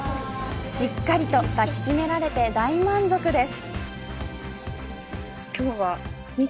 しっかりと抱き締められて大満足です。